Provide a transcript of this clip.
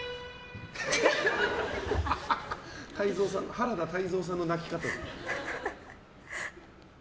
原田泰造さんの泣き方。